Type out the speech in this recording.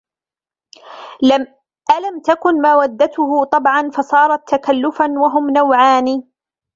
أَلَمْ تَكُنْ مَوَدَّتُهُ طَبْعًا فَصَارَتْ تَكَلُّفَا وَهُمْ نَوْعَانِ